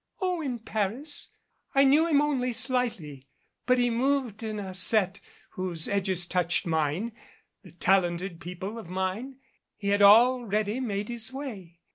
"Oh, in Paris. I knew him only slightly, but he moved 8 HERMIA in a set whose edges touched mine the talented people of mine. He had already made his way.